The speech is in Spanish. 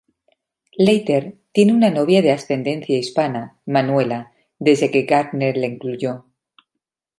Leiter tiene una novia de ascendencia hispana, Manuela, desde que Gardner la incluyó.